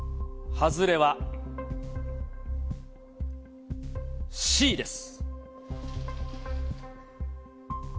外れはＣです。